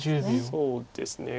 そうですね。